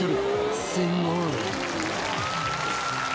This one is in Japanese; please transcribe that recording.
すごい。